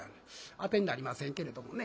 当てになりませんけれどもね。